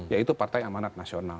yaitu partai amanat nasional